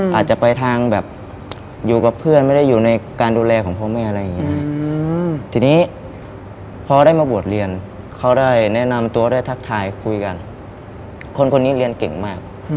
คนนี้เรียนเก่งมาก